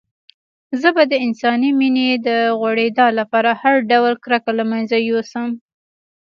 زه به د انساني مينې د غوړېدا لپاره هر ډول کرکه له منځه يوسم.